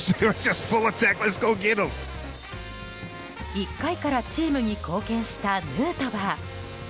１回からチームに貢献したヌートバー。